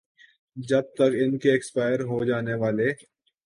جب تک ان کے ایکسپائر ہوجانے والے